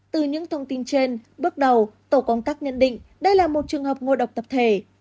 từ những thông tin trên bước đầu tổ công tác nhận định đây là một trường hợp ngộ độc tập thể